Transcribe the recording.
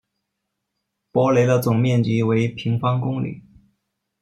博雷的总面积为平方公里。